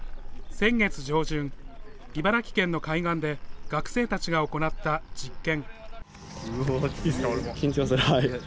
先月上旬、茨城県の海岸で学生たちが行った実験。